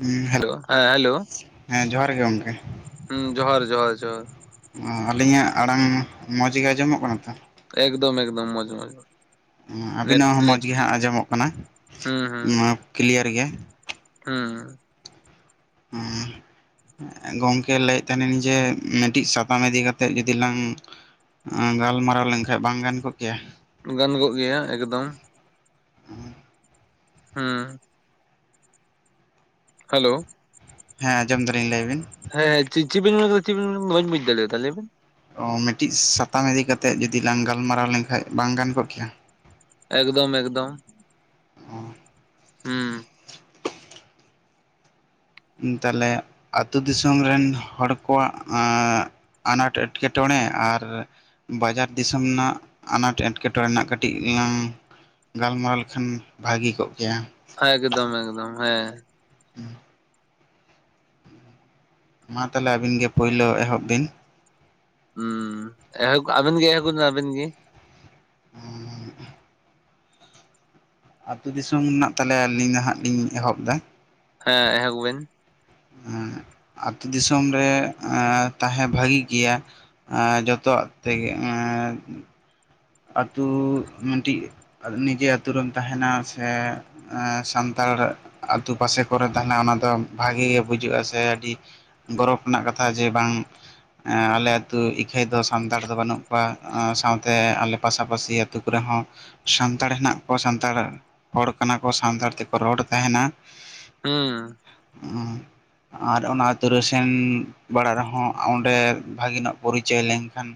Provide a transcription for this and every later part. ᱦᱩᱸ ᱦᱮᱞᱳ, ᱦᱮᱸ ᱦᱮᱞᱳ ᱦᱮᱸ ᱡᱚᱦᱟᱨ ᱜᱮ ᱜᱚᱝᱠᱮ᱾ ᱦᱩᱸ ᱡᱚᱦᱟᱨ ᱡᱚᱦᱟᱨ ᱡᱚᱦᱟᱨ ᱟᱹᱞᱤᱧᱟᱜ ᱟᱲᱟᱝ ᱢᱚᱸᱡᱽ ᱜᱮ ᱟᱸᱡᱚᱢᱚᱜ ᱠᱟᱱᱟ ᱛᱚ‍? ᱮᱠᱫᱚᱢ, ᱮᱠᱫᱚᱢ ᱢᱚᱡ, ᱢᱚᱡ᱾ ᱟᱹᱵᱤᱱᱟᱜ ᱦᱚᱸ ᱢᱚᱡᱽ ᱜᱮ ᱦᱟᱸᱜ ᱟᱸᱡᱚᱢᱚᱜ ᱠᱟᱱᱟ ᱦᱩᱸ ᱠᱞᱤᱭᱟᱨ ᱜᱮ᱾ ᱦᱩᱸᱻ ᱦᱩᱸ᱾ ᱜᱚᱢᱠᱮ ᱞᱟᱹᱭᱮᱫ ᱛᱟᱦᱮ ᱤᱧ ᱡᱮ ᱢᱤᱫᱴᱤᱡ ᱥᱟᱛᱟᱢ ᱤᱫᱤ ᱠᱟᱛᱮᱫ ᱡᱩᱫᱤ ᱞᱟᱝ ᱜᱟᱞᱢᱟᱨᱟᱣ ᱞᱮᱱᱠᱷᱟᱡ ᱵᱟᱝ ᱜᱟᱱ ᱠᱚᱜ ᱠᱮᱭᱟ? ᱜᱟᱱ ᱠᱚᱜ ᱜᱮᱭᱟ ᱮᱠᱫᱚᱢ᱾ [unintelligible] ᱦᱩᱸ᱾ ᱦᱮᱞᱳ᱾ ᱦᱮᱸ ᱟᱢᱚᱢ ᱫᱟᱞᱤᱧ ᱞᱟᱹᱭ ᱵᱤᱱ᱾ ᱦᱮᱸ ᱦᱮᱸ ᱪᱤᱜ ᱵᱤᱱ- ᱪᱤᱜ ᱵᱤᱱ ᱢᱮᱱ ᱠᱮᱫᱟ ᱵᱟᱹᱧ ᱵᱩᱡᱽ ᱫᱟᱲᱮᱭᱟᱫᱟ ᱞᱟᱹᱭ ᱵᱮᱱ? ᱚ ᱢᱤᱫᱴᱤᱡ ᱥᱟᱛᱟᱢ ᱤᱫᱤ ᱠᱟ ᱠᱟᱛᱮᱜ ᱡᱩᱫᱤ ᱞᱟᱝ ᱜᱟᱞᱢᱟᱨᱟᱣ ᱞᱮᱱᱠᱷᱟᱡ ᱵᱟᱝ ᱜᱟᱱ ᱠᱚᱜ ᱠᱮᱭᱟ? ᱮᱠᱫᱚᱢ, ᱮᱠᱫᱚᱢ᱾ ᱚ᱾ ᱦᱩᱸᱻ ᱛᱟᱦᱞᱮ ᱟᱹᱛᱩ ᱫᱤᱥᱚᱢ ᱨᱮᱱ ᱦᱚᱲ ᱠᱚᱣᱟᱜ ᱟᱱᱟᱴ ᱮᱴᱠᱮᱴᱚᱬᱮ ᱟᱨ ᱵᱟᱡᱟᱨ ᱫᱤᱥᱚᱢ ᱨᱮᱱᱟᱜ ᱟᱱᱟᱴ ᱮᱴᱠᱮᱴᱚᱬᱮ ᱨᱮᱱᱟᱜ ᱠᱟᱹᱴᱤᱡ ᱞᱟᱝ ᱜᱟᱞᱢᱟᱨᱟᱣ ᱞᱮᱠᱷᱟᱱ ᱵᱷᱟᱹᱜᱮ ᱠᱚᱜ ᱠᱮᱭᱟ᱾ ᱮᱠᱫᱚᱢ, ᱮᱠᱫᱚᱢ ᱦᱮᱸ᱾ [inaudible] ᱢᱟ ᱛᱟᱦᱚᱞᱮ ᱟᱹᱵᱤᱱ ᱜᱮ ᱯᱳᱭᱞᱳ ᱮᱦᱚᱵ ᱵᱤᱱ᱾ ᱦᱩᱸ [unintelligible] ᱟᱹᱵᱤᱱ ᱜᱮ [unintelligible] ᱟᱹᱵᱤᱱ ᱜᱮ᱾ [inaudible] ᱟᱛᱩ ᱫᱤᱥᱚᱢ ᱨᱮᱱᱟᱜ ᱛᱟᱦᱞᱮ ᱟᱹᱞᱤᱧ ᱱᱟᱦᱟᱸᱜ ᱞᱤᱧ ᱮᱦᱚᱵ ᱫᱟ᱾ ᱦᱮᱸ ᱮᱦᱚᱵ ᱵᱮᱱ᱾ ᱟᱛᱩ ᱫᱤᱥᱚᱢ ᱨᱮ ᱛᱟᱦᱮᱸ ᱵᱷᱟᱹᱜᱤ ᱜᱮᱭᱟ᱾ ᱡᱚᱛᱚᱣᱟᱜ ᱛᱮᱜᱮ ᱮᱻ ᱟᱛᱩ ᱢᱤᱫᱴᱤᱡ ᱱᱤᱡᱮ ᱟᱛᱳ ᱨᱮᱢ ᱛᱟᱦᱮᱱᱟ ᱥᱮ ᱥᱟᱱᱛᱟᱲ ᱟᱛᱩ ᱯᱟᱥᱮ ᱠᱚᱨᱮ ᱛᱟᱦᱮᱱᱟ ᱚᱱᱟ ᱫᱚ ᱵᱷᱟᱜᱤ ᱜᱮ ᱵᱩᱡᱩᱜᱼᱟ ᱥᱮ ᱟᱹᱰᱤ ᱜᱚᱨᱚᱵᱽ ᱨᱮᱱᱟᱜ ᱠᱟᱛᱷᱟ ᱡᱮ ᱵᱟᱝ ᱟᱞᱮ ᱟᱹᱛᱩ ᱤᱠᱷᱟᱹᱭ ᱫᱚ ᱥᱟᱱᱛᱟᱲ ᱫᱚ ᱵᱟᱹᱱᱩᱜ ᱠᱚᱣᱟ ᱥᱟᱶ ᱛᱮ ᱟᱞᱮ ᱯᱟᱥᱟ-ᱯᱟᱥᱤ ᱟᱹᱛᱩ ᱠᱚᱨᱮ ᱦᱚᱸ ᱥᱟᱱᱛᱟᱲ ᱦᱮᱱᱟᱜ ᱠᱚᱣᱟ ᱥᱟᱱᱛᱟᱲ ᱦᱚᱲ ᱠᱟᱱᱟ ᱠᱚ ᱥᱟᱱᱛᱟᱲ ᱛᱮᱠᱚ ᱨᱚᱲ ᱛᱟᱦᱮᱱᱟ᱾ ᱦᱩᱸᱻ ᱟᱨ ᱚᱱᱟ ᱟᱹᱛᱳ ᱨᱮ ᱥᱮᱱ ᱵᱟᱲᱟᱜ ᱨᱮᱦᱚᱸ ᱚᱸᱰᱮ ᱵᱷᱟᱜᱤ ᱧᱚᱜ ᱯᱚᱨᱤᱪᱚᱭ ᱞᱮᱱ ᱠᱷᱟᱱᱼᱼ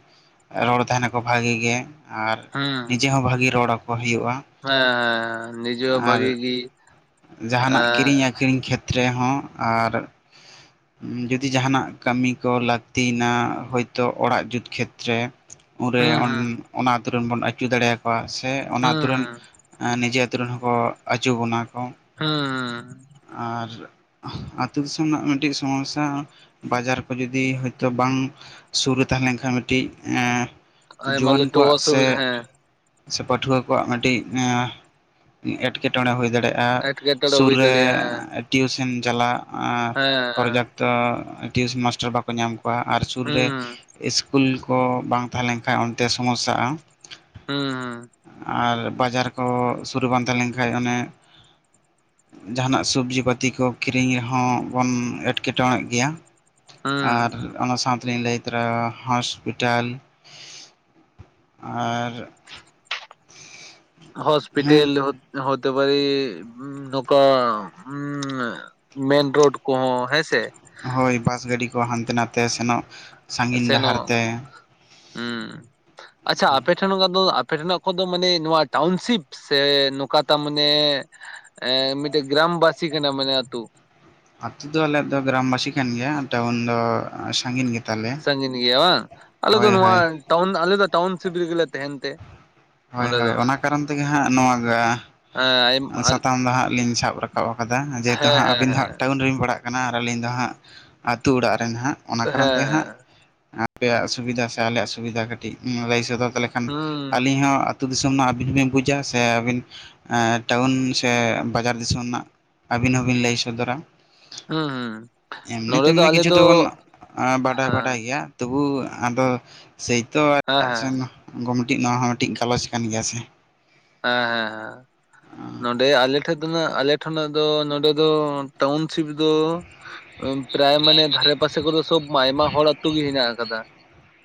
ᱨᱚᱲ ᱛᱟᱦᱮᱱᱟᱠᱚ ᱵᱷᱟᱹᱜᱤ ᱜᱮ ᱟᱨ ᱦᱩᱸ ᱱᱤᱡᱮ ᱦᱚᱸ ᱵᱷᱟᱹᱜᱤ ᱨᱚᱲ ᱟᱠᱚ ᱦᱩᱭᱩᱜᱼᱟ᱾ ᱦᱮᱸ ᱦᱮᱸ ᱱᱤᱡᱮ ᱵᱷᱟᱜᱤ ᱟᱨ ᱜᱮ ᱮᱸᱻ ᱵᱷᱤᱛ ᱨᱮᱦᱚᱸ ᱟᱨᱼᱼ ᱡᱩᱚᱫᱤ ᱡᱟᱦᱱᱟᱜ ᱠᱟᱹᱢᱤ ᱠᱚ ᱞᱟᱹᱠᱛᱤᱭᱮᱱᱟ ᱦᱚᱳᱭᱛᱳ ᱚᱲᱟᱜ ᱡᱩᱛ ᱠᱷᱮᱛᱨᱮᱼᱼ ᱩᱱᱨᱮ ᱦᱩᱸ ᱦᱩᱸ ᱚᱱᱟᱛ ᱨᱮᱱ ᱵᱚᱱ ᱟᱹᱪᱩ ᱫᱟᱲᱮ ᱭᱟᱠᱚᱣᱟ ᱥᱮ ᱚᱱᱟ ᱟᱹᱛᱳ ᱨᱮᱱᱼᱼ ᱦᱩᱸ ᱱᱤᱡᱮ ᱟᱛᱳ ᱨᱮᱱ ᱦᱚᱸᱠᱚ ᱟᱹᱪᱩ ᱵᱚᱱᱟ ᱠᱚ᱾ ᱦᱮᱸᱼᱼ ᱟᱨᱼᱼ ᱛᱳ ᱫᱤᱥᱚᱢ ᱨᱮᱱᱟᱜ ᱢᱤᱫᱴᱮᱱ ᱥᱚᱢᱚᱥᱟ ᱵᱟᱡᱟᱨ ᱠᱚ ᱡᱚᱫᱤ ᱦᱚᱳᱭᱛᱳ ᱵᱟᱝᱼᱼ ᱥᱩᱨ ᱨᱮ ᱛᱟᱦᱮᱸᱞᱱᱠᱷᱟᱱ ᱢᱤᱫᱴᱤᱡ ᱮᱸᱻ ᱟᱭᱟ ᱞᱮᱠᱟᱼᱼ ᱟᱠᱚᱣᱟᱜ ᱥᱮᱼᱼ ᱥᱮ ᱯᱟᱹᱴᱷᱩᱣᱟᱹ ᱠᱚᱣᱟᱜ ᱢᱤᱫᱴᱤᱡ ᱮᱴᱠᱮᱴᱚᱬᱮ ᱦᱩᱭ ᱫᱟᱲᱮᱭᱟᱜᱼᱟ᱾ ᱮᱴᱠᱮᱴᱚᱬᱮ ᱥᱩᱨ ᱦᱩᱭ ᱨᱮᱼᱼ ᱫᱟᱲᱮᱭᱟᱜᱼᱟ ᱦᱮᱸ ᱴᱤᱩᱥᱮᱱ ᱪᱟᱞᱟᱜ ᱯᱨᱚᱨᱚᱡᱟᱠᱛᱚ ᱴᱤᱭᱩᱥᱚᱱ ᱢᱟᱥᱴᱟᱨ ᱵᱟᱠᱚ ᱧᱟᱢ ᱠᱚᱼᱼ ᱟᱨ ᱥᱩᱨ ᱨᱮ ᱤᱥᱠᱩᱞ ᱠᱚ ᱵᱟᱝ ᱛᱟᱦᱮᱸ ᱞᱮᱱᱠᱷᱟᱡ ᱚᱱᱛᱮ ᱥᱚᱢᱚᱥᱟᱜᱼᱟ᱾ ᱦᱩᱸ ᱦᱩᱸ ᱟᱨ ᱵᱟᱡᱟᱨ ᱠᱚ ᱥᱩᱨ ᱨᱮ ᱵᱟᱝ ᱛᱟᱦᱮᱸ ᱞᱮᱱ ᱠᱷᱟᱡ ᱚᱱᱮᱼᱼ ᱡᱟᱦᱟᱱᱟᱜ ᱥᱚᱵᱡᱤ ᱯᱟᱹᱛᱤ ᱠᱚ ᱠᱤᱨᱤᱧ ᱨᱮᱦᱚᱸ ᱵᱚᱱ ᱮᱴᱠᱮ ᱴᱚᱬᱮᱜ ᱜᱮᱭᱟ? ᱟᱨ ᱚᱱᱟ ᱥᱟᱶ ᱛᱮᱞᱤᱧ ᱞᱟᱹᱭ ᱛᱚᱨᱟ ᱦᱚᱥᱯᱤᱴᱟᱞ ᱟᱨᱼᱼ ᱦᱚᱥᱯᱤᱴᱮᱞ ᱦᱚᱛᱮ ᱯᱟᱨᱮᱼᱼ ᱱᱚᱱᱠᱟ ᱦᱩᱢ ᱢᱮᱱ ᱨᱳᱰ ᱠᱚᱦᱚᱸ ᱦᱮᱸᱥᱮ ᱦᱳᱭ ᱵᱟᱥ ᱜᱟᱹᱰᱤ ᱠᱚ ᱦᱟᱱᱛᱮ ᱱᱟᱛᱮ ᱥᱮᱱᱚᱜ ᱥᱟᱺᱜᱤᱧ ᱰᱟᱦᱟᱨ ᱥᱮᱱᱚᱜ ᱛᱮ ᱩᱸ ᱟᱪᱪᱷᱟ ᱟᱯᱮ ᱴᱷᱮᱱ ᱫᱚ ᱟᱯᱮ ᱴᱷᱮᱱᱟᱜ ᱠᱚᱫᱚ ᱢᱟᱱᱮ ᱱᱚᱣᱟ ᱴᱟᱣᱩᱱᱥᱤᱯ ᱥᱮ ᱱᱚᱝᱠᱟ ᱛᱟ ᱢᱟᱱᱮ ᱮ ᱢᱤᱫᱴᱮᱡ ᱜᱨᱟᱢ ᱵᱟᱥᱤ ᱠᱟᱱᱟ ᱢᱟᱱᱮ ᱟᱛᱳ᱾ ᱟᱛᱳ ᱫᱚ ᱟᱞᱮᱭᱟᱜ ᱫᱚ ᱜᱨᱟᱢᱵᱟᱥᱤ ᱠᱟᱱ ᱜᱮᱭᱟ ᱴᱟᱣᱩᱱ ᱫᱚ ᱥᱟᱹᱜᱤᱧ ᱜᱮ ᱥᱟᱜᱤᱱ ᱜᱮᱭᱟ ᱵᱟ ᱟᱞᱮ ᱫᱚ ᱱᱚᱣᱟ ᱦᱳᱭ ᱴᱟᱣᱩᱱ ᱟᱞᱮ ᱫᱚ ᱴᱟᱣᱩᱱ ᱥᱤᱵ ᱨᱮᱜᱮ ᱞᱮ ᱛᱮᱦᱮᱱ ᱛᱮᱼᱼ ᱦᱳᱭ ᱦᱳᱭ ᱚᱱᱟ ᱠᱟᱨᱚᱱ ᱛᱮᱜᱮ ᱦᱟᱸᱜ ᱱᱚᱣᱟ ᱦᱮᱸ ᱟᱭᱢ- ᱟᱞ- ᱥᱟᱛᱟᱢ ᱫᱚ ᱦᱟᱸᱜ ᱞᱤᱧ ᱥᱟᱵ ᱨᱟᱠᱟᱵ ᱨᱟᱠᱟᱵ ᱟᱠᱟᱫᱟ ᱡᱮᱦᱮᱛᱩ ᱦᱮᱸ ᱦᱟᱸᱜ ᱦᱮᱸ ᱟᱵᱤᱱ ᱫᱚ ᱦᱟᱸᱜ ᱦᱮᱸ ᱴᱟᱣᱩᱱ ᱨᱮᱧ ᱯᱟᱲᱟᱜ ᱠᱟᱱᱟ ᱟᱨ ᱟᱹᱞᱤᱧ ᱫᱚ ᱦᱟᱸᱜ ᱟᱹᱛᱳ ᱚᱲᱟᱜ ᱨᱮᱱ ᱦᱟᱸᱜᱼᱼ ᱚᱱᱟ ᱠᱟᱨᱚᱱ ᱛᱮ ᱦᱟᱸᱜ ᱦᱮᱸ ᱟᱯᱮᱭᱟᱜ ᱥᱩᱵᱤᱫᱟ ᱥᱮ ᱟᱞᱮᱭᱟᱜ ᱥᱩᱵᱤ ᱫᱷᱟ ᱠᱟᱹᱴᱤᱡ ᱞᱟᱹᱭ ᱥᱚᱫᱚᱨ ᱛᱟᱞᱮ ᱠᱷᱟᱱ ᱠᱷᱟᱱ ᱦᱩᱸ ᱟᱹᱞᱤᱧ ᱦᱚᱸ ᱟᱹᱛᱩ ᱫᱤᱥᱚᱢ ᱨᱮᱱᱟᱜ ᱟᱹᱵᱤᱱ ᱵᱤᱱ ᱵᱩᱡᱟ ᱥᱮ ᱟᱹᱵᱤᱱ ᱴᱟᱣᱩᱱ ᱥᱮ ᱵᱟᱡᱟᱨ ᱫᱤᱥᱚᱢ ᱨᱮᱱᱟᱜ ᱟᱹᱵᱤᱱ ᱦᱚᱸᱵᱤᱱ ᱞᱟᱹᱭ ᱥᱚᱫᱚᱨᱟ᱾ ᱦᱩᱸ ᱦᱩᱸ ᱮᱢᱱᱤ ᱱᱚᱸᱰᱮ ᱫᱚ ᱛᱮᱢᱱᱤ ᱟᱞᱮ ᱠᱤᱪᱷᱩ ᱫᱚ ᱫᱚᱵᱚᱱ ᱵᱟᱰᱟᱭ ᱵᱟᱰᱟᱭ ᱦᱮᱸ ᱜᱮᱭᱟ᱾ ᱛᱚᱵᱩ ᱟᱫᱚ ᱥᱮᱭᱛᱚ ᱦᱮᱸ ᱮᱴᱟᱜ ᱦᱮᱸ ᱥᱮᱱ ᱢᱤᱫᱴᱮᱱ ᱱᱚᱣᱟ ᱦᱚᱸ ᱢᱤᱫᱴᱤᱡ ᱜᱟ ᱞᱚᱪ ᱠᱟᱱ ᱜᱮᱭᱟ ᱥᱮ? ᱦᱮᱸ ᱦᱮᱸ ᱦᱮᱸ ᱱᱚᱰᱮ ᱟᱞᱮ ᱴᱷᱮᱡ ᱫᱚ ᱟᱞᱮ ᱴᱷᱮᱱᱟᱜ ᱫᱚ ᱱᱚᱰᱮ ᱫᱚ ᱴᱟᱣᱩᱱ ᱥᱤᱯ ᱫᱚ ᱯᱨᱟᱭ ᱢᱟᱱᱮ ᱫᱷᱟᱨᱮ ᱯᱟᱥᱮ ᱠᱚᱫᱚ ᱥᱚᱵ ᱟᱭᱢᱟ ᱦᱚᱲ ᱟᱹᱛᱩ ᱜᱮ ᱦᱮᱱᱟᱜ ᱟᱠᱟᱫᱟ᱾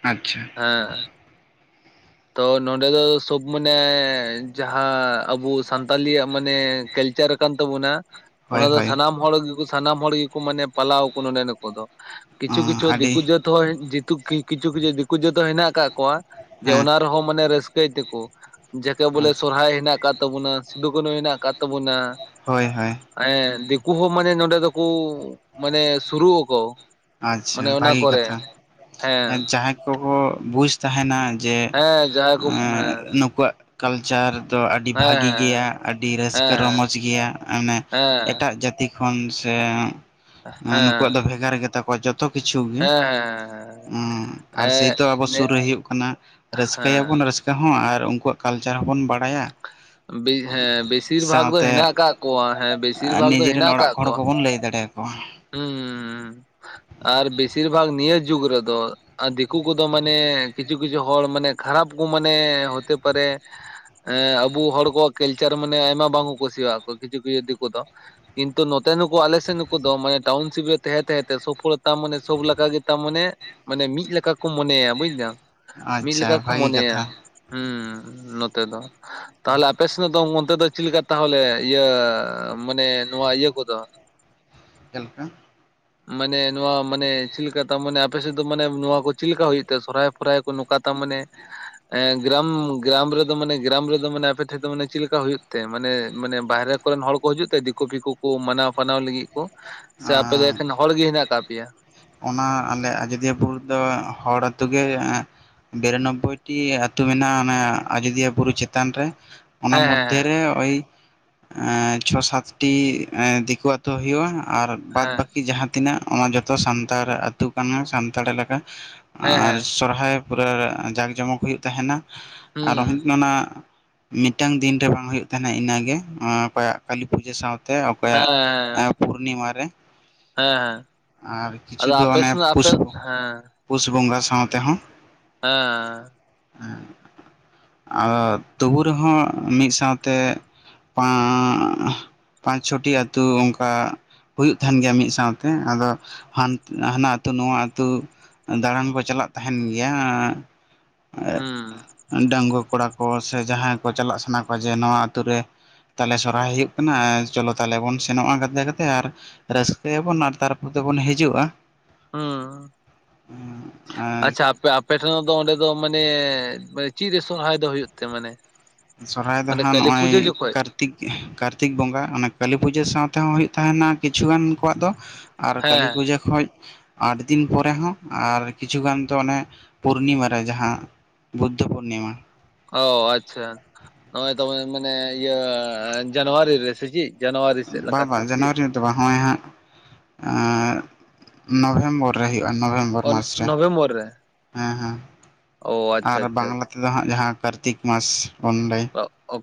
ᱟᱪᱪᱷᱟ ᱦᱮᱸᱻ ᱛᱚ ᱱᱚᱰᱮ ᱫᱚ ᱥᱚᱵ ᱢᱟᱱᱮ ᱡᱟᱦᱟᱸ ᱟᱵᱚ ᱥᱟᱱᱛᱟᱞᱤ ᱭᱟᱜ ᱢᱟᱱᱮᱼᱼ ᱠᱮᱞᱪᱟᱨ ᱠᱟᱱ ᱛᱟᱵᱩᱱᱟ᱾ ᱦᱳᱭ ᱚᱱᱟ ᱫᱚ ᱦᱳᱭ ᱥᱟᱱᱟᱢ ᱦᱚᱲ ᱜᱮᱠᱚ ᱥᱟᱱᱟᱢ ᱦᱚᱲ ᱜᱮᱠᱚ ᱢᱟᱱᱮ ᱯᱟᱞᱟᱣ ᱟᱠᱩ ᱱᱚᱰᱮᱱ ᱠᱚᱫᱚ᱾ ᱠᱤᱪᱷᱩ ᱠᱤᱪᱷᱩ ᱟᱹᱰᱤ ᱫᱤᱠᱩ ᱡᱟᱹᱛ ᱦᱚᱸ ᱠᱤᱪᱷᱩ ᱠᱤᱪᱷᱩ ᱫᱤᱠᱩ ᱡᱟᱹᱛ ᱦᱚ ᱦᱮᱱᱟᱜ ᱟᱠᱟᱫ ᱠᱚᱣᱟ ᱡᱮ ᱦᱮᱸ ᱚᱱᱟ ᱨᱮᱦᱚᱸᱼᱼ ᱢᱟᱱᱮ ᱨᱟᱹᱥᱠᱟᱹᱭ ᱛᱮᱠᱚ, ᱡᱟᱠᱮ ᱵᱚᱞᱮ ᱟᱪᱪᱷᱟ ᱥᱚᱨᱦᱟᱭ ᱦᱮᱱᱟᱜ ᱟᱠᱟᱫ ᱛᱟᱵᱚᱱᱟ, ᱥᱤᱫᱩ ᱠᱟᱱᱩ ᱦᱮᱱᱟᱜ ᱟᱠᱟᱫ ᱛᱟᱵᱚᱱᱟ᱾ ᱦᱳᱭ ᱦᱳᱭ᱾ ᱮᱸ ᱫᱤᱠᱩ ᱦᱚᱸ ᱢᱟᱱᱮ ᱱᱚᱰᱮ ᱫᱚᱠᱚ ᱢᱟᱱᱮ ᱥᱩᱨᱩᱜ-ᱟᱠᱚ᱾ ᱟᱪᱪᱷᱟ ᱵᱷᱟᱜᱤ ᱠᱟᱛᱷᱟ, ᱦᱮᱸ ᱡᱟᱦᱟᱸᱭ ᱠᱚᱠᱚ ᱵᱩᱡᱽ ᱛᱟᱸᱦᱮᱱᱟ ᱡᱮ ᱦᱮᱸ ᱡᱟᱦᱟᱸᱭ ᱠᱚ ᱮᱸᱻ ᱦᱮᱸ ᱱᱩᱠᱩᱣᱟᱜ ᱠᱟᱞᱪᱟᱨ ᱫᱚ ᱟᱹᱰᱤ ᱵᱷᱟᱹᱜᱤ ᱜᱮᱭᱟ ᱦᱮᱸ ᱟᱹᱰᱤ, ᱟᱹᱰᱤ ᱨᱟᱹᱥᱠᱟᱹ ᱦᱮᱸ ᱨᱚᱢᱚᱡᱽ ᱜᱮᱭᱟ ᱢᱟᱱᱮ ᱦᱮᱸ ᱮᱴᱟᱜ ᱡᱟᱹᱛᱤ ᱠᱚ ᱠᱷᱚᱱ ᱥᱮ ᱦᱮᱸ ᱱᱩᱠᱩᱣᱟᱜ ᱦᱮᱸ ᱫᱚ ᱵᱷᱮᱜᱟᱨ ᱜᱮᱛᱟ ᱠᱚᱣᱟ ᱡᱚᱛ ᱡᱚᱛᱚ ᱠᱤᱪᱷᱩ ᱜᱮ, ᱦᱮᱸ ᱩᱸ ᱟᱨ ᱦᱮᱸ ᱥᱮᱭᱛᱚ ᱟᱵᱚ ᱥᱩᱨ ᱨᱮ ᱦᱩᱭᱩᱜ ᱠᱟᱱᱟ ᱨᱟᱹᱥᱠᱟᱹᱭᱟᱵᱚᱱ ᱦᱮᱸ ᱨᱟᱹᱥ ᱛᱮᱦᱚᱸ ᱟᱨ ᱩᱝᱠᱩᱣᱟᱜ ᱠᱟᱞᱪᱟᱨ ᱦᱚᱸᱵᱚᱱ ᱵᱟᱲᱟᱭᱟ᱾ ᱦᱮᱸ ᱵᱮᱥᱤᱨ ᱵᱷᱟᱜᱽ ᱫᱚ ᱥᱟᱶᱛᱮ ᱦᱮᱱᱟᱜ ᱟᱠᱟᱫ ᱠᱚᱣᱟ ᱦᱮᱸ ᱵᱮᱥᱤᱨ ᱟᱻ ᱵᱷᱟᱜᱽ ᱫᱚ ᱱᱤᱡᱮ ᱨᱮᱱ ᱦᱮᱱᱟᱜ ᱚᱲᱟᱜ ᱟᱠᱟᱫ ᱦᱚᱲ ᱠᱚᱣᱟ ᱠᱚᱵᱚᱱ ᱞᱟᱹᱭ ᱫᱟᱲᱮ ᱚ᱾ ᱦᱩᱸ ᱟᱨ ᱵᱤᱥᱤᱨ ᱵᱷᱟᱜᱽ ᱱᱤᱭᱟᱹ ᱡᱩᱜᱽ ᱨᱮᱫᱚ ᱟᱨ ᱫᱤᱠᱩ ᱠᱚᱫᱚ ᱢᱟᱱᱮ, ᱠᱤᱪᱷᱩ ᱠᱤᱪᱷᱩ ᱦᱚᱲ ᱢᱟᱱᱮ ᱠᱷᱟᱨᱟᱯ ᱠᱚ ᱢᱟᱱᱮ ᱦᱚᱛᱮ ᱯᱟᱨᱮ ᱮᱸ ᱟᱵᱚ ᱦᱚᱲ ᱠᱚᱣᱟᱜ ᱠᱟᱞᱪᱟᱨ ᱢᱟᱱᱮ ᱟᱭᱢᱟ ᱵᱟᱝᱠᱚ ᱠᱩᱥᱤᱭᱟᱜ ᱠᱚ ᱠᱤᱪᱷᱩ ᱠᱤᱪᱷᱩ ᱫᱤᱠᱩ ᱫᱚ᱾ ᱠᱤᱱᱛᱩ ᱱᱚᱛᱮ ᱱᱩᱠᱩ ᱟᱞᱮ ᱥᱮ ᱱᱩᱠᱩ ᱢᱟᱱᱮ ᱴᱟᱣᱩᱱᱥᱤᱯ ᱨᱮ ᱛᱮᱦᱮᱸ ᱛᱮᱦᱮᱸ ᱛᱮ ᱥᱚᱵ ᱦᱚᱲ ᱛᱟᱢ ᱢᱟᱱᱮ, ᱥᱚᱵ ᱞᱮᱠᱟ ᱜᱮ ᱛᱟ ᱢᱟᱱᱮ ᱢᱟᱱᱮ ᱢᱤᱫ ᱞᱮᱠᱟ ᱠᱚ ᱢᱚᱱᱮᱭᱟ, ᱵᱩᱡᱫᱟᱢ ᱢᱤᱫ ᱞᱮᱠᱟ ᱟᱪᱪᱷᱟ ᱠᱚ ᱵᱷᱟᱹᱜᱤ ᱢᱚᱱᱮᱭᱟ᱾ ᱠᱟᱛᱷᱟ ᱦᱩᱸᱻ ᱱᱚᱛᱮ ᱫᱚ, ᱛᱟᱦᱞᱮ ᱟᱯᱮ ᱥᱮᱫ ᱫᱚ ᱢᱚᱫᱫᱷᱮ ᱫᱚ ᱪᱤᱫ ᱞᱮᱠᱟ ᱛᱟᱦᱚᱞᱮ ᱤᱭᱟᱹ ᱢᱟᱱᱮ ᱱᱚᱣᱟ ᱤᱭᱟᱹ ᱠᱚᱫᱚ ᱪᱮᱫ ᱦᱩᱸ? ᱢᱟᱱᱮ ᱱᱚᱣᱟ ᱢᱟᱱᱮ, ᱪᱮᱫ ᱞᱮᱠᱟ ᱛᱟ ᱢᱟᱱᱮ ᱟᱯᱮ ᱥᱮᱫ ᱫᱚ ᱢᱟᱱᱮ ᱱᱚᱣᱟ ᱠᱚ ᱪᱤᱫ ᱞᱮᱠᱟ ᱦᱩᱭᱩᱜ ᱛᱟᱦᱮᱸᱜ ᱥᱚᱨᱦᱟᱭ ᱯᱚᱨᱟᱭᱟ ᱠᱚ, ᱱᱚᱝᱠᱟ ᱛᱟᱢ ᱢᱟᱱᱮ ᱮ-ᱻ ᱜᱨᱟᱢ, ᱜᱨᱟᱢ ᱨᱮᱫᱚ ᱢᱟᱱᱮ, ᱜᱨᱟᱢ ᱨᱮᱫᱚ ᱢᱟᱱᱮ ᱟᱯᱮ ᱴᱷᱮᱡ ᱫᱚ ᱢᱟᱱᱮ ᱪᱮᱫ ᱞᱮᱠᱟ ᱦᱩᱭᱩᱜ ᱛᱮ ᱢᱟᱱᱮ, ᱢᱟᱱᱮ ᱵᱟᱦᱨᱮ ᱠᱚᱨᱮᱱ ᱦᱚᱲ ᱠᱚ ᱦᱤᱡᱩᱜ ᱛᱮ ᱫᱤᱠᱩ ᱯᱷᱤᱠᱩ ᱠᱚ ᱢᱟᱱᱟᱣ ᱯᱷᱟᱱᱟᱣ ᱞᱟᱹᱜᱤᱫ ᱠᱚ ᱥᱮ ᱟᱯᱮ ᱜᱮ ᱮᱠᱷᱮᱱ ᱦᱚᱲ ᱜᱮ ᱦᱮᱱᱟᱜ ᱠᱟᱜ ᱯᱮᱭᱟ? ᱚᱱᱟ ᱟᱞᱮ ᱟᱡᱳᱫᱤᱭᱟᱹ ᱵᱩᱨᱩ ᱫᱚ ᱦᱚᱲ ᱟᱹᱛᱳ ᱜᱮ ᱵᱤᱨᱟᱱᱚᱵᱵᱳᱭᱴᱤ ᱟᱹᱛᱩ ᱢᱮᱱᱟᱜ-ᱟ ᱚᱱᱟ ᱟᱡᱳᱫᱤᱭᱟᱹ ᱵᱩᱨᱩ ᱪᱮᱛᱟᱱ ᱨᱮ᱾ ᱚᱱᱟ ᱦᱮᱸ ᱦᱮᱸ ᱢᱚᱫᱽᱫᱷᱮᱨᱮ ᱳᱭ ᱮᱸᱻ ᱪᱷᱚ ᱥᱟᱛᱴᱤ ᱫᱤᱠᱩ ᱟᱛ ᱦᱩᱭᱩᱜ-ᱟ ᱟᱨ ᱵᱟᱫ ᱦᱮᱸ ᱵᱟᱹᱠᱤ ᱡᱟᱦᱟᱸ ᱛᱤᱱᱟᱹᱜ ᱚᱱᱟ ᱡᱚᱛᱚ ᱥᱟᱱᱛᱟᱲ ᱟᱹᱛᱩ ᱠᱟᱱᱟ ᱥᱟᱱᱛᱟᱲ ᱮᱞᱟᱠᱟ, ᱦᱮᱸ ᱦᱮᱸ ᱟᱨ ᱦᱮᱸ ᱥᱚᱨᱦᱟᱭ ᱯᱩᱨᱟᱹ ᱡᱟᱸᱠ ᱡᱚᱢᱚᱠ ᱦᱩᱭᱩᱜ ᱛᱟᱸᱦᱮᱱᱟ ᱟᱨ ᱦᱩᱸ ᱦᱚᱸᱜ-ᱚᱱᱟ ᱢᱤᱫᱴᱟᱝ ᱫᱤᱱ ᱨᱮ ᱵᱟᱝ ᱦᱩᱭᱩᱜᱳ ᱛᱟᱸᱦᱮᱱᱟ ᱤᱱᱟᱹᱜᱮ, ᱚᱠᱚᱭᱟᱜ ᱠᱟᱹᱞᱤ ᱯᱩᱡᱟᱹ ᱥᱟᱶᱛᱮ ᱦᱮᱸ ᱚᱠᱚᱭᱟᱜ ᱦᱮᱸ ᱯᱩᱨᱱᱤᱢᱟ ᱨᱮ᱾ ᱦᱮᱸ ᱦᱮᱸ, ᱟᱨ ᱟᱫᱚ ᱠᱤᱪᱷᱩ ᱫᱚ ᱟᱯᱮ ᱚᱱᱮ ᱥᱮᱱᱟᱜ ᱟᱯᱮ ᱯᱩᱥ ᱦᱮᱸ ᱯᱩᱥ ᱵᱚᱸᱜᱟ ᱥᱟᱶ ᱛᱮᱦᱚᱸ᱾ ᱦᱮᱸᱻ ᱟᱨ ᱛᱚᱵᱩ ᱨᱮᱦᱚᱸ ᱢᱤᱫ ᱥᱟᱶᱛᱮ [unintelligible] ᱯᱟᱸᱪ ᱪᱷᱚᱴᱤ ᱟᱛᱩ ᱚᱱᱠᱟ ᱦᱩᱭᱩᱜ ᱛᱟᱦᱮᱱ ᱜᱮᱭᱟ ᱢᱤᱫ ᱥᱟᱶᱛᱮ ᱟᱫᱚ ᱦᱟᱱ ᱦᱟᱱᱟ ᱟᱹᱛᱩ, ᱱᱚᱣᱟ ᱟᱹᱛᱩ ᱫᱟᱬᱟᱱ ᱠᱚ ᱪᱟᱞᱟᱜ ᱛᱟᱸᱦᱮᱱ ᱜᱮᱭᱟ᱾ ᱦᱩᱸ ᱰᱟᱺᱜᱽᱣᱟᱹ ᱠᱚᱲᱟ ᱠᱚ ᱥᱮ ᱡᱟᱦᱟᱸᱭ ᱠᱚ ᱪᱟᱞᱟᱜ ᱥᱟᱱᱟ ᱠᱚᱣᱟ ᱡᱮ ᱱᱚᱣᱟ ᱟᱹᱛ ᱨᱮ᱾ ᱛᱟᱞᱦᱮ ᱥᱚᱨᱦᱟᱭ ᱦᱩᱭᱩᱜ ᱠᱟᱱᱟ ᱪᱚᱞᱚ ᱛᱟᱞᱦᱮ ᱵᱚᱱ ᱥᱮᱱᱚᱜ-ᱟ ᱜᱟᱛᱮ ᱜᱟᱛᱮ ᱟᱨ ᱨᱟᱹᱥᱠᱟᱹᱭᱟᱵᱚᱱ ᱟᱨ ᱛᱟᱨᱯᱚᱛᱮᱵᱚᱱ ᱦᱤᱡᱩᱜ-ᱟ᱾ ᱦᱩᱸ ᱟᱨ ᱟᱪᱪᱷᱟ᱾ ᱟᱯᱮ, ᱟᱯᱮ ᱴᱷᱮᱱ ᱫᱚ ᱚᱸᱰᱮ ᱫᱚ ᱢᱟᱱᱮ ᱪᱮᱫ ᱨᱮ ᱥᱚᱨᱦᱟᱹᱭ ᱫᱚ ᱦᱩᱭᱩᱜ ᱛᱮ ᱢᱟᱱᱮ? ᱥᱚᱨᱚᱦᱟᱹᱭ ᱫᱚ ᱢᱟᱱᱮ ᱦᱟᱸᱜ ᱠᱟᱹᱞᱤ ᱱᱚᱜᱼᱚᱭ ᱯᱩᱡᱟᱹ ᱡᱚᱠᱷᱚᱡ ᱠᱟᱨᱛᱤᱠ ᱠᱟᱨᱛᱤᱠ ᱵᱚᱸᱜᱟ ᱚᱱᱟ ᱠᱟᱹᱞᱤ ᱯᱩᱡᱟᱹ ᱥᱟᱶᱛᱮᱦᱚᱸ ᱦᱩᱭᱩᱜ ᱛᱟᱦᱮᱱᱟ᱾ ᱠᱤᱪᱷᱩ ᱜᱟᱱ ᱠᱚᱣᱟᱜ ᱫᱚ ᱟᱨ ᱠᱟᱹᱞᱤ ᱦᱮᱸ ᱯᱩᱡᱟᱹ ᱠᱷᱚᱡᱼᱼ ᱟᱴ ᱫᱤᱱ ᱯᱚᱨᱮ ᱦᱚᱸ ᱟᱨ ᱠᱤᱪᱷᱩ ᱜᱟᱱ ᱫᱚ ᱚᱱᱮ ᱯᱩᱨᱱᱤᱢᱟ ᱨᱮ ᱡᱟᱦᱟᱸ ᱵᱩᱫᱽᱫᱷ ᱯᱩᱨᱱᱤᱢᱟ᱾ ᱚ ᱟᱪᱪᱷᱟ ᱱᱚᱜᱼᱚᱭ ᱛᱚᱢᱮ ᱢᱟᱱᱮ ᱡᱟᱱᱩᱣᱟᱨᱤ ᱨᱮ ᱥᱮ ᱪᱤᱫ? ᱵᱟ ᱵᱟ ᱡᱟᱱᱣᱟᱨᱤᱼᱼ ᱦᱚᱸᱜᱼᱚᱭ ᱦᱟᱸᱜ ᱱᱚᱵᱷᱮᱢᱵᱚᱨ ᱨᱮ ᱦᱩᱭᱩᱜᱼᱟ ᱱᱚᱵᱷᱮᱢᱵᱚᱨᱼᱼ ᱚ ᱦᱮ ᱱᱚᱵᱷᱮᱢᱵᱚᱨ ᱨᱮ ᱦᱮ ᱚ ᱟᱪᱪᱷᱟ ᱟᱨ ᱟᱪᱪᱷᱟ ᱵᱟᱝᱞᱟ ᱛᱮ ᱟᱪᱪᱷᱟ ᱫᱚᱼᱼ ᱛᱮᱫᱚ ᱦᱟᱸᱜ ᱡᱟᱦᱟᱸ ᱠᱟᱨᱛᱤᱠ ᱢᱟᱥ ᱵᱚᱱ ᱞᱟᱹᱭᱼᱼ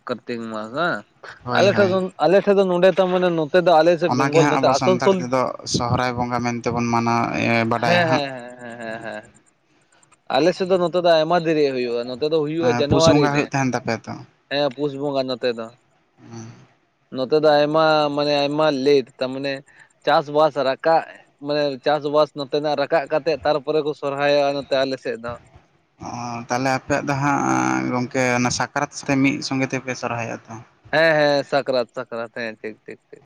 ᱡᱟᱨᱛᱤᱠ ᱢᱟᱥ ᱵᱟᱝ ᱦᱳᱭ ᱦᱳᱭ ᱟᱞᱮ ᱴᱷᱮᱱ ᱫᱚ ᱱᱚᱰᱮ ᱛᱚ ᱢᱟᱱᱮ ᱱᱚᱛᱮ ᱫᱚ ᱟᱞᱮᱼᱼ ᱚᱱᱟᱜᱮ ᱦᱟᱸᱜ ᱟᱵᱚ ᱥᱟᱱᱛᱟᱲ ᱛᱮᱫᱚ ᱥᱚᱦᱨᱟᱭ ᱵᱚᱸᱜᱟ ᱢᱮᱱᱛᱮᱵᱚᱱ ᱢᱟᱱᱟᱣ ᱵᱟᱰᱟᱭᱟ ᱦᱮᱸ ᱦᱟᱸᱜ᱾ ᱦᱮᱸ ᱦᱮᱸ ᱦᱮᱸ ᱦᱮᱸ ᱟᱞᱮ ᱥᱮᱫ ᱫᱚ ᱱᱚᱛᱮ ᱫᱚ ᱟᱭᱢᱟ ᱫᱮᱨᱤ ᱦᱩᱭᱩᱜᱼᱟ ᱱᱚᱛᱮ ᱫᱚ ᱦᱩᱭᱩᱜᱼᱟ ᱯᱩᱥ ᱡᱟᱱᱩᱭᱟᱨᱤ ᱵᱚᱸᱜᱟ ᱨᱮ᱾ ᱦᱩᱭᱩᱜ ᱛᱟᱦᱮᱱ ᱛᱟᱯᱮᱭᱟ ᱛᱚ ᱦᱮᱸ ᱯᱩᱥ ᱵᱚᱸᱜᱟ ᱱᱚᱛᱮ ᱫᱚ᱾ ᱱᱚᱛᱮ ᱫᱚ ᱟᱭᱢᱟ ᱢᱟᱱᱮ ᱟᱭᱢᱟ ᱞᱮᱴ ᱛᱟᱨᱢᱟᱱᱮᱼᱼ ᱪᱟᱥ ᱵᱟᱥ ᱨᱟᱠᱟᱵ ᱢᱟᱱᱮ ᱪᱟᱥᱵᱟᱥ ᱱᱚᱛᱮᱱᱟᱜ ᱨᱟᱠᱟᱵ ᱠᱟᱛᱮᱜ ᱛᱟᱨᱯᱚᱨᱮ ᱠᱚ ᱥᱚᱨᱦᱟᱹᱭᱚᱜᱼᱟ᱾ ᱱᱚᱼᱼ ᱟᱞᱮ ᱥᱮᱫ ᱫᱚ᱾ ᱚ ᱛᱟᱦᱚᱞᱮ ᱟᱯᱮᱭᱟᱜ ᱫᱚ ᱦᱟᱸᱜ ᱜᱚᱝᱠᱮ ᱚᱱᱟ ᱥᱟᱠᱨᱟᱹᱛ ᱨᱮ ᱢᱤᱫ ᱥᱚᱸᱜᱮ ᱛᱮᱯᱮ ᱥᱚᱨᱦᱟ‌ᱭᱚᱜᱼᱟ ᱛᱚ? ᱦᱮᱸ ᱦᱮᱸ ᱥᱟᱠᱨᱟᱹᱛ ᱥᱟᱠᱨᱟᱹᱛ ᱦᱮᱸ ᱴᱷᱤᱠ ᱴᱷᱤᱠ ᱴᱷᱤᱠ,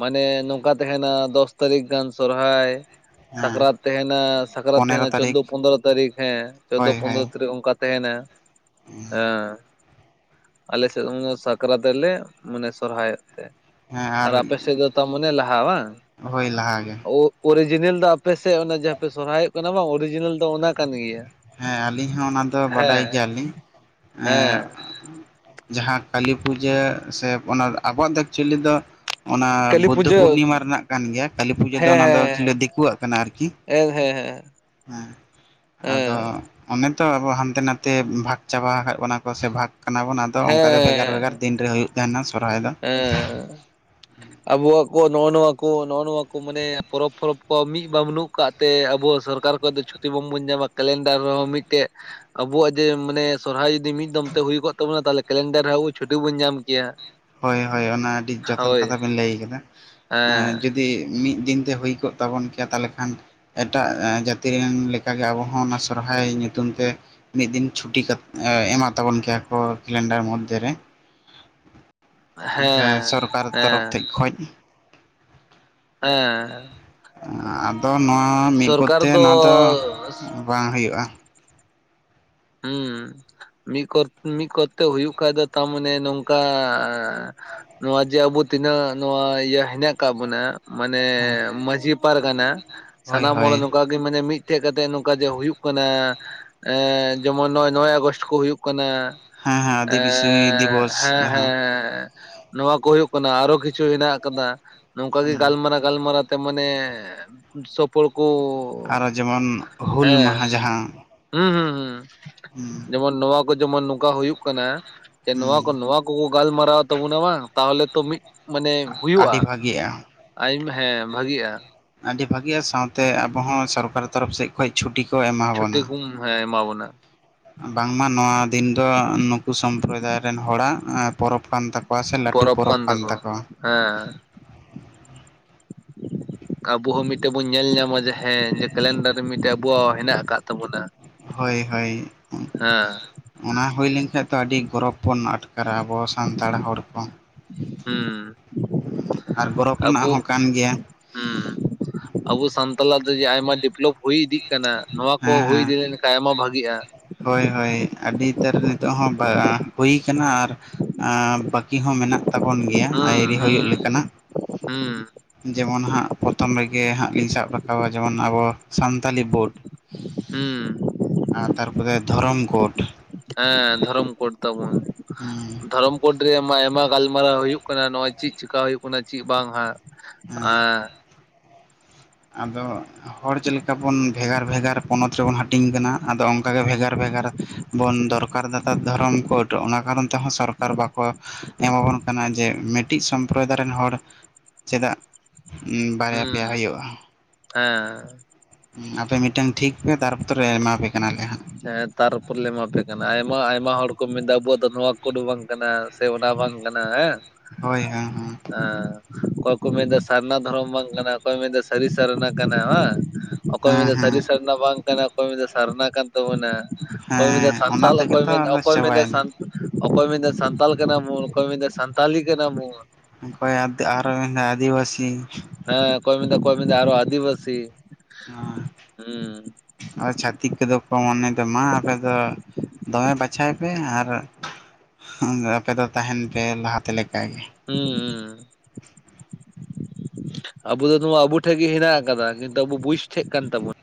ᱢᱟᱱᱮ ᱱᱚᱝᱠᱟ ᱛᱟᱦᱮᱱᱟ ᱫᱚᱥ ᱛᱟᱹᱨᱤᱠᱷ ᱜᱟᱱ ᱥᱚᱨᱦᱟᱭ᱾ ᱦᱮᱸ ᱥᱟᱠᱨᱟᱛ ᱛᱟᱦᱮᱱᱟ ᱥᱟᱠᱨᱟᱛ ᱯᱚᱱᱮᱨᱚ ᱛᱟᱦᱮᱱᱟ ᱪᱳᱫᱳ ᱛᱟᱹᱨᱤᱠᱷ ᱯᱚᱫᱨᱚ ᱛᱟᱹᱨᱤᱠᱷ ᱦᱮᱸ ᱪᱳᱫᱳ ᱦᱳᱭ ᱦᱳᱭ ᱯᱚᱸᱫᱽᱨᱚ ᱛᱟᱹᱨᱤᱠᱷ ᱚᱱᱠᱟᱼᱼ ᱛᱟᱦᱮᱱᱟ ᱟᱞᱮ ᱥᱮᱫ ᱦᱚᱸ ᱥᱟᱠᱨᱟᱛᱼᱼ ᱥᱟᱠᱨᱟᱛ ᱞᱮ ᱢᱟᱱᱮ ᱥᱚᱨᱦᱟᱭᱚᱜ ᱛᱮ᱾ ᱟᱨ ᱟᱯᱮ ᱥᱮᱫ ᱫᱚ ᱛᱚᱨ ᱢᱚᱱᱮ ᱞᱟᱦᱟ ᱵᱟᱝ? ᱦᱳᱭ ᱞᱟᱦᱟᱜᱮ ᱳᱼᱼ ᱚᱨᱤᱡᱤᱱᱟᱞ ᱫᱚ ᱟᱯᱮᱥᱮᱫ ᱚᱱᱟ ᱡᱟᱦᱟᱸᱯᱮ ᱥᱚᱨᱦᱟᱭᱚᱜ ᱠᱟᱱᱟ ᱵᱟᱝ ᱚᱨᱤᱡᱤᱱᱟᱞ ᱫᱚ ᱚᱱᱟ ᱠᱟᱱ ᱜᱮᱭᱟ᱾ ᱦᱮᱸ ᱟᱹᱞᱤᱧ ᱦᱚᱸ ᱚᱱᱟ ᱫᱚ ᱵᱟᱰᱟᱭ ᱦᱮᱸ ᱜᱮᱭᱟᱞᱤᱧ ᱮᱸᱼᱼ ᱦᱮᱸ ᱡᱟᱦᱟᱸ ᱠᱟᱹᱞᱤ ᱯᱩᱡᱟᱹ ᱥᱮ ᱚᱱᱟ ᱟᱵᱚᱣᱟᱜ ᱫᱚ ᱮᱠᱪᱩᱭᱮᱞᱤ ᱫᱚᱼᱼ ᱚᱱᱟ ᱠᱟᱹᱞᱤ ᱵᱩᱫᱽᱫᱷᱚ ᱯᱩᱡᱟᱹ ᱯᱩᱨᱱᱤᱢᱟ ᱨᱮᱱᱟᱜ ᱠᱟᱱ ᱜᱮᱭᱟ ᱠᱟᱹᱞᱤ ᱯᱩᱡᱟᱹ ᱫᱚ ᱦᱮᱸ ᱚᱱᱟ ᱫᱚ ᱫᱤᱠᱩᱣᱟᱜ ᱠᱟᱱᱟ ᱟᱨᱠᱤ᱾ ᱦᱮᱸᱻ ᱦᱮᱸ ᱟᱫᱚ ᱚᱱᱮ ᱛᱚ ᱟᱵᱚ ᱦᱟᱱᱛᱮ ᱱᱟᱛᱮ ᱵᱷᱟᱜᱽ ᱪᱟᱵᱟ ᱟᱠᱟᱫ ᱵᱚᱱᱟ ᱠᱚ ᱥᱮ ᱵᱷᱟᱜᱽᱼᱼ ᱠᱟᱱᱟ ᱵᱚᱱ ᱟᱫᱚ ᱦᱮᱸ ᱚᱱᱠᱟᱜᱮ ᱵᱷᱮᱜᱟᱨ ᱵᱷᱮᱜᱟᱨ ᱫᱤᱱ ᱨᱮ ᱦᱩᱭᱩᱜ ᱛᱟᱦᱮᱱᱟ ᱥᱚᱦᱨᱟᱭ ᱫᱚ ᱾ ᱦᱮᱸᱼᱼ [inaudible] ᱟᱵᱚᱣᱟᱜ ᱠᱚ ᱱᱚᱜᱼᱱᱚᱣᱟ ᱠᱚ ᱱᱚᱜᱼ ᱱᱚᱣᱟ ᱠᱚ ᱢᱟᱱᱮ ᱯᱚᱨᱚᱵᱽ ᱯᱚᱨᱚᱵᱽ ᱠᱚ ᱢᱤᱫ ᱵᱟ ᱵᱟᱹᱱᱩᱜ ᱟᱠᱟᱫᱼᱼ ᱛᱮ ᱟᱵᱚ ᱥᱚᱨᱠᱟᱨ ᱠᱷᱚᱡ ᱫᱚ ᱪᱷᱩᱴᱤ ᱵᱟᱝᱵᱚᱱ ᱧᱟᱢᱟ ᱠᱟᱹᱞᱮᱱᱰᱟᱨ ᱨᱮᱦᱚᱸ ᱢᱤᱫᱴᱮᱡᱼᱼ ᱟᱵᱚᱣᱟᱜ ᱡᱮ ᱢᱟᱱᱮ ᱥᱚᱨᱦᱟᱭ ᱡᱩᱫᱤ ᱢᱤᱫ ᱫᱚᱢ ᱛᱮ ᱦᱩᱭ ᱠᱚᱜ ᱛᱟᱵᱚᱱᱟ ᱛᱚᱞᱮ ᱠᱟᱹᱞᱮᱱᱰᱟᱨ ᱨᱮ ᱟᱵᱚ ᱪᱷᱩᱴᱤ ᱵᱚᱱ ᱧᱟᱢ ᱠᱮᱭᱟ᱾ ᱦᱳᱭ ᱦᱳᱭ ᱚᱱᱟ ᱟᱹᱰᱤ ᱡᱚᱛᱷᱟᱛ ᱦᱳᱭ ᱠᱟᱛᱷᱟ ᱵᱮᱱ ᱞᱟᱹᱭ ᱟᱠᱟᱫᱟ ᱡᱤᱼᱼ ᱦᱮᱸ ᱡᱩᱫᱤ ᱢᱤᱫ ᱫᱤᱱ ᱛᱮ ᱦᱩᱭ ᱠᱚᱜ ᱛᱟᱵᱚᱱ ᱠᱮᱭᱟ ᱛᱟᱦᱚᱞᱮ ᱠᱷᱟᱱ᱾ ᱮᱴᱟᱜ ᱡᱟᱹᱛᱤ ᱨᱮᱱ ᱞᱮᱠᱟᱜᱮ ᱟᱵᱚᱸ ᱚᱱᱟ ᱥᱚᱨᱦᱟᱭ ᱧᱩᱛᱩᱢ ᱛᱮᱼᱼ ᱢᱤᱫ ᱫᱤᱱ ᱪᱷᱩᱴᱤ ᱮᱢᱟ ᱛᱟᱵᱚᱱ ᱠᱮᱭᱟ ᱠᱚ ᱠᱮᱞᱮᱱᱰᱟᱨ ᱢᱚᱫᱽ ᱫᱷᱮᱭᱢ ᱨᱮᱼᱼ ᱡᱮ ᱦᱮᱸ ᱥᱚᱨᱠᱟᱨ ᱦᱮᱸ ᱛᱚᱨᱚᱯᱷ ᱴᱷᱮᱡ ᱠᱷᱚᱡ᱾ ᱦᱮᱸ ᱟᱫᱚ ᱱᱚᱣᱟ ᱢᱤᱫ ᱥᱚᱨᱠᱟᱨ ᱠᱚᱨᱛᱮ ᱫᱚ ᱱᱚᱣᱟ ᱫᱚᱼᱼ ᱵᱟᱝ ᱦᱩᱭᱩᱜᱼᱟ᱾ ᱦᱩᱢᱻ ᱢᱤᱫ ᱠᱚᱨ ᱢᱤᱫ ᱠᱚᱨᱛᱮ ᱦᱩᱭᱩᱜ ᱠᱷᱟᱢᱽ ᱫᱚ ᱛᱟᱨᱢᱟᱱᱮ ᱱᱚᱝᱠᱟ ᱱᱚᱣᱟ ᱡᱮ ᱟᱵᱚ ᱛᱤᱱᱟᱹᱜ ᱱᱚᱣᱟ ᱤᱭᱟᱹ ᱦᱮᱱᱟᱜ ᱟᱠᱟᱫ ᱵᱚᱱᱟ ᱢᱟᱱᱮ ᱦᱮᱸ ᱢᱟᱺᱡᱷᱤ ᱯᱟᱨᱜᱟᱱᱟ ᱦᱳᱭ ᱥᱟᱱᱟᱢ ᱦᱚᱲ ᱦᱳᱭ ᱱᱚᱝᱠᱟ ᱢᱟᱱᱮ ᱢᱤᱫᱴᱷᱮᱡ ᱠᱟᱛᱮᱜ ᱱᱚᱝᱠᱟ ᱡᱮ ᱦᱩᱭᱩᱜ ᱠᱟᱱᱟ ᱮ ᱡᱮᱢᱚᱱ ᱱᱚᱜᱼᱭ ᱱᱚᱭ ᱟᱜᱚᱥᱴ ᱠᱚ ᱦᱩᱭᱩᱜ ᱠᱟᱱᱟ᱾ ᱦᱮᱸ ᱦᱮᱸ ᱮ ᱟᱹᱫᱤᱵᱟᱹᱥᱤ ᱦᱮᱸ ᱫᱤᱵᱚᱥ ᱦᱮᱸ ᱡᱟᱦᱟᱸ ᱦᱮᱸ ᱱᱚᱣᱟ ᱠᱚ ᱦᱩᱭᱩᱜ ᱠᱟᱱᱟ ᱟᱨᱚ ᱠᱤᱪᱷᱩ ᱦᱮᱱᱟᱜ ᱟᱠᱟᱫᱟ ᱱᱚᱝᱠᱟ ᱜᱮ ᱦᱩᱸ ᱜᱟᱞᱢᱟᱨᱟᱣ ᱜᱟᱞ ᱢᱟᱨᱛᱮ ᱢᱟᱱᱮ ᱥᱯᱷᱚᱲ ᱠᱚ ᱟᱨᱚ ᱡᱮᱢᱚᱱ ᱦᱩᱞ ᱦᱮᱸ ᱢᱟᱦᱟ ᱡᱟᱦᱟᱸ ᱦᱩᱸ ᱦᱩᱸ ᱦᱩᱸ ᱦᱩᱸ ᱡᱮ ᱱᱚᱣᱟ ᱠᱚ ᱡᱚᱢᱚᱱ ᱱᱚᱝᱠᱟ ᱦᱩᱭᱩᱜ ᱠᱟᱱᱟ ᱡᱮ ᱱᱚᱣᱟ ᱠᱚ ᱦᱩᱸ ᱾ ᱠᱚᱠᱚ ᱜᱟᱞᱢᱟᱨᱟᱣ ᱛᱟᱵᱚᱱᱟ ᱵᱟᱝ ᱛᱟᱦᱚᱞᱮ ᱛᱚ ᱢᱤᱫ ᱢᱟᱱᱮ ᱦᱩᱭᱩᱜᱼᱟ ᱟᱹᱰᱤ ᱵᱷᱟᱜᱤᱜᱼᱟ ᱾ ᱟᱭᱢ ᱦᱮᱸ ᱵᱷᱟᱜᱤᱜᱼᱟ ᱟᱹᱰᱤ ᱵᱷᱟᱹᱜᱮᱤᱭᱟ ᱥᱟᱶᱛᱮ ᱟᱵᱚᱚᱸ ᱥᱚᱨᱠᱟᱨ ᱛᱚᱨᱚᱯᱷ ᱥᱮᱫ ᱠᱷᱚᱱ ᱪᱷᱩᱴᱤ ᱠᱚ ᱮᱢᱟ ᱵᱚᱱᱟ᱾ ᱪᱷᱩᱴᱤ ᱠᱚᱢ ᱦᱮᱸ ᱮᱢᱟ ᱵᱚᱱᱟ ᱵᱟᱝᱢᱟ ᱱᱚᱣᱟ ᱫᱤᱱ ᱫᱚ ᱱᱩᱠᱩ ᱥᱚᱢᱯᱨᱚᱫᱟᱭ ᱨᱮᱱ ᱦᱚᱲᱟᱜ ᱯᱚᱨᱚᱵᱽ ᱠᱟᱱ ᱛᱟᱠᱚ ᱚᱠᱟᱥᱮᱫ ᱞᱟᱹᱴᱩ ᱯᱚᱨᱚᱵᱽ ᱠᱟᱱ ᱛᱟᱠᱚᱣᱟ ᱾ ᱦᱮᱸ [inaudible] ᱟᱵᱚ ᱦᱚᱸ ᱢᱤᱫᱴᱮᱱ ᱵᱚᱱ ᱧᱮᱞ ᱧᱟᱢᱟ ᱡᱮ ᱦᱮᱸ ᱠᱮᱞᱮᱱᱰᱟᱨ ᱨᱮ ᱢᱤᱫᱴᱮᱡ ᱟᱵᱚᱣᱟᱜ ᱦᱮᱱᱟᱜ ᱟᱠᱟᱫ ᱛᱟᱵᱚᱱᱟ ᱾ ᱦᱳᱭ ᱦᱳᱭ ᱚᱱᱟ ᱦᱩᱭ ᱞᱮᱱᱠᱷᱟᱱᱡ ᱫᱚ ᱟᱹᱰᱤ ᱜᱚᱨᱚᱵ ᱟᱴᱠᱚ ᱟᱨ ᱟᱵᱚ ᱥᱟᱱᱛᱟᱲ ᱦᱚᱲ ᱠᱚ ᱾ ᱦᱮᱸ ᱟᱨ ᱜᱚᱨᱚᱵ ᱨᱮᱱᱟᱜ ᱦᱚᱸ ᱠᱟᱱ ᱜᱮᱭᱟ ᱾ ᱦᱮᱸ ᱟᱵᱚ ᱥᱟᱱᱛᱟᱞ ᱫᱚ ᱟᱭᱢᱟ ᱰᱮᱵᱷᱞᱚᱯ ᱦᱩᱭ ᱤᱫᱤᱜ ᱠᱟᱱᱟ ᱾ ᱱᱚᱣᱟ ᱠᱚ ᱦᱮᱸ ᱦᱩᱭ ᱦᱮᱸ ᱤᱫᱤ ᱞᱮᱱᱠᱷᱟᱱ ᱟᱭᱢᱟ ᱵᱷᱟᱜᱤᱜᱼᱟ ᱾ ᱦᱳᱭ ᱦᱳᱭ ᱟᱹᱰᱤ ᱩᱛᱟᱹᱨ ᱱᱤᱛᱚᱜ ᱦᱚᱸ ᱦᱩᱭ ᱠᱟᱱᱟ ᱟᱨ ᱵᱟ ᱠᱤ ᱦᱚᱸ ᱢᱮᱱᱟᱜ ᱛᱟᱵᱚᱱ ᱜᱮᱭᱟ ᱦᱩᱸ ᱟᱭᱨᱤ ᱦᱩᱭᱩᱜ ᱦᱩᱸ ᱞᱮᱠᱟᱱᱟᱜ ᱦᱩᱸ ᱡᱮᱢᱚᱱ ᱦᱟᱸᱜ ᱯᱨᱚᱛᱷᱚᱢ ᱨᱮᱜᱮ ᱦᱟᱸᱜ ᱞᱤᱧ ᱥᱟᱵ ᱨᱟᱠᱟᱵᱟ ᱡᱮᱢᱚᱱ ᱟᱵᱚ ᱥᱟᱱᱛᱟᱞᱤ ᱵᱳᱰ ᱦᱩᱸ ᱟᱨ ᱛᱟᱨᱯᱚᱨᱮ ᱫᱷᱚᱨᱚᱢ ᱠᱳᱰ ᱾ ᱦᱮᱸ ᱫᱷᱚᱨᱚᱢ ᱠᱳᱰ ᱛᱟᱵᱚᱱ ᱦᱮᱸ ᱫᱷᱚᱨᱚᱢ ᱠᱳᱰ ᱨᱮᱭᱟ ᱢᱟ ᱟᱭᱢᱟ ᱜᱟᱞᱢᱟᱨᱟᱣ ᱦᱩᱭᱩᱜ ᱠᱟᱱᱟ ᱱᱚᱜᱼᱚᱭ ᱪᱮᱫ ᱪᱮᱠᱟ ᱦᱩᱭᱩᱜ ᱠᱟᱱᱟ ᱪᱮᱫ ᱵᱟᱝ ᱦᱟᱜ ᱦᱮᱸ ᱟᱫᱚ ᱦᱚᱲ ᱪᱮᱫ ᱞᱮᱠᱟ ᱵᱚᱱ ᱵᱷᱮᱜᱟᱨ ᱵᱷᱮᱜᱟᱨ ᱯᱚᱱᱚᱛ ᱨᱮᱵᱚᱱ ᱦᱟᱹᱴᱤᱧ ᱠᱟᱱᱟ ᱟᱫᱚ ᱚᱱᱠᱟᱜᱮ ᱵᱷᱮᱜᱟᱨ ᱵᱷᱮᱜᱟᱨ ᱵᱚᱱ ᱫᱚᱨᱠᱟᱨ ᱫᱟ ᱫᱷᱚᱨᱚᱢ ᱠᱳᱰ ᱚᱱᱟ ᱠᱟᱨᱚᱱ ᱛᱮᱦᱚᱸ ᱥᱚᱨᱠᱟᱨ ᱵᱟᱠᱚ ᱮᱢᱟᱵᱚᱱ ᱠᱟᱱᱟ ᱡᱮ ᱢᱮᱫ ᱠᱟᱹᱴᱤᱡ ᱥᱚᱢᱯᱨᱚᱫᱟᱭ ᱨᱮᱱ ᱦᱚᱲ ᱪᱮᱫᱟᱜ ᱵᱟᱨᱭᱟ ᱯᱮᱭᱟ ᱦᱩᱸ ᱦᱤᱭᱳᱜᱼᱟ᱾ ᱦᱮᱸ ᱟᱯᱮ ᱢᱤᱫᱴᱟᱝ ᱴᱷᱤᱠ ᱯᱮ ᱛᱟᱨᱯᱛᱚᱨᱮ ᱮᱢᱟ ᱯᱮ ᱠᱟᱱᱟᱞᱮ ᱦᱟᱸᱜ ᱦᱮᱸ ᱛᱟᱨᱯᱚᱨ ᱞᱮ ᱮᱢᱟᱯᱮ ᱠᱟᱱᱟ ᱟᱭᱢᱟ ᱟᱭᱢᱟ ᱦᱚᱲ ᱠᱚ ᱢᱮᱱᱫᱟ ᱟᱵᱚᱣᱟᱜ ᱫᱚ ᱱᱚᱣᱟ ᱠᱚᱫᱚ ᱵᱟᱝ ᱠᱟᱱᱟ᱾ ᱥᱮ ᱚᱱᱟ ᱵᱟᱝ ᱠᱟᱱᱟ ᱦᱮᱸ ᱦᱳᱭ ᱦᱮᱸ ᱦᱮᱸ ᱦᱮᱸ ᱚᱠᱚᱭ ᱠᱚ ᱢᱮᱱᱫᱟ ᱥᱟᱨᱱᱟ ᱫᱷᱚᱨᱚᱢ ᱵᱟᱝ ᱠᱟᱱᱟ ᱚᱠᱚᱭ ᱠᱚ ᱢᱮᱱᱫᱟ ᱥᱟᱹᱨᱤ ᱥᱟᱨᱱᱟ ᱠᱟᱱᱟ ᱵᱟᱝ ᱚᱠᱚᱭ ᱦᱮᱸ ᱢᱮᱱᱫᱟ ᱦᱮᱸ ᱥᱟᱹᱨᱤ ᱥᱟᱨᱱᱟ ᱵᱟᱝ ᱠᱟᱱᱟ ᱚᱠᱚᱭ ᱢᱮᱱᱫᱟ ᱥᱟᱨᱱᱟ ᱠᱟᱱ ᱟᱫᱚ ᱢᱟᱱᱮ ᱚᱠᱚᱭ ᱦᱮᱸ ᱢᱮᱱᱫᱟᱭ ᱚᱱᱟ ᱥᱟᱱᱛᱟᱞ ᱛᱮᱜᱮ ᱚᱠᱚᱭ ᱛᱚ ᱢᱮᱱᱫᱟ ᱟᱫᱚ ᱚᱠᱚᱭ ᱢᱮᱱᱟᱭ ᱪᱟᱵᱟᱭᱮᱱᱟ ᱥᱟᱱᱛᱟ ᱚᱠᱚᱭ ᱢᱮᱱᱫᱟᱭ ᱥᱟᱱᱛᱟᱞ ᱠᱟᱱᱟ ᱵᱩᱱ ᱚᱠᱚᱭ ᱢᱮᱱᱫᱟᱭ ᱥᱟᱱᱛᱟᱞᱤ ᱠᱟᱱᱟ ᱵᱚᱱ ᱾ ᱚᱠᱚᱭ ᱟᱨ ᱢᱮᱱᱫᱟ ᱟᱫᱤᱵᱟᱥᱤ ᱾ ᱦᱮᱸ ᱚᱠᱚᱭ ᱢᱮᱱ ᱫᱟ ᱚᱠᱚᱭ ᱢᱮᱱᱫᱟ ᱟᱨᱦᱚᱸ ᱟᱫᱤᱵᱟᱥᱤ ᱾ [unintelligible] ᱟᱨ ᱪᱷᱟᱛᱤᱠ ᱠᱚᱫᱚ ᱠᱚ ᱢᱚᱱᱮ ᱫᱟ ᱢᱟ ᱟᱯᱮ ᱫᱚ ᱫᱚᱢᱮ ᱵᱟᱪᱷᱟᱭ ᱯᱮ ᱟᱨ ᱟᱯᱮ ᱫᱚ ᱛᱟᱦᱮᱱ ᱯᱮ ᱞᱟᱦᱟᱛᱮ ᱞᱮᱠᱟᱜᱮ ᱾ ᱦᱩᱸ ᱦᱩᱸ ᱾ ᱟᱵᱚ ᱫᱚ ᱱᱚᱣᱟ ᱟᱵᱚ ᱴᱷᱮᱡ ᱜᱮ ᱦᱮᱱᱟᱜ ᱟᱠᱟᱫᱟ ᱠᱤᱱᱛᱩ ᱟᱵᱚ ᱵᱩᱡ ᱴᱷᱮᱡ ᱠᱟᱱ ᱛᱟᱵᱚᱱᱟ